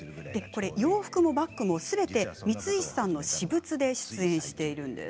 洋服もバッグもすべて光石さんの私物で出演しています。